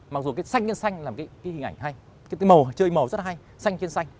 mặc dù cái xanh nhân xanh là một cái hình ảnh hay cái màu chơi màu rất hay xanh trên xanh